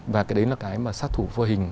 và cái đấy là cái mà sát thủ vô hình